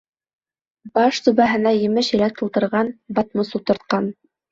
Баш түбәһенә емеш-еләк тултырған батмус ултыртҡан.